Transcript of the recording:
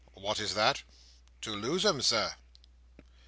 "What is that?" "To lose 'em, Sir."